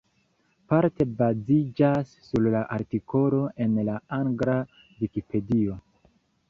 Parte baziĝas sur la artikolo en la angla Vikipedio.